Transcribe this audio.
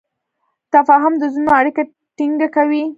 تفاهم د زړونو اړیکه ټینګه کوي.